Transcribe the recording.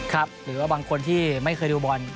หรือว่าบางคนที่ไม่เคยดูบอล